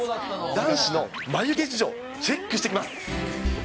男子の眉毛事情、チェックしてきます。